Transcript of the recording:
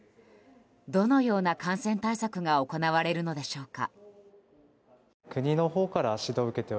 どのような感染対策が行われるのでしょうか。